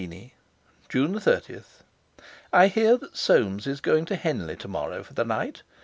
"DEAR IRENE, "I hear that Soames is going to Henley tomorrow for the night.